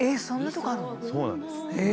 そうなんです。